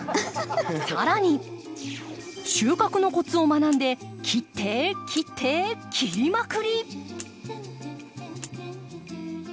更に収穫のコツを学んで切って切って切りまくり！